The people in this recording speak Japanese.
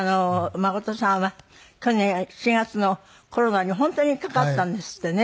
真さんは去年７月のコロナに本当にかかったんですってね。